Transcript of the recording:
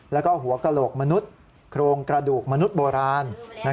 แล้วก็หัวกระโหลกมนุษย์โครงกระดูกมนุษย์โบราณ